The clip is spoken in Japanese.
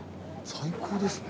最高ですね。